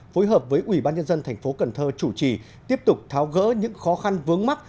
phối hợp với ủy ban nhân dân thành phố cần thơ chủ trì tiếp tục tháo gỡ những khó khăn vướng mắt